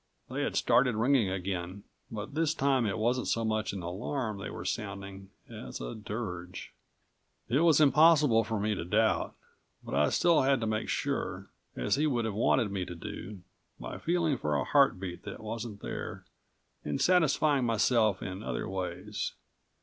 They had started ringing again, but this time it wasn't so much an alarm they were sounding as a dirge. It was impossible for me to doubt, but I still had to make sure, as he would have wanted me to do, by feeling for a heartbeat that wasn't there and satisfying myself in other ways.